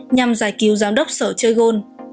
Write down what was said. nhằm giải cứu giám đốc sở chơi gôn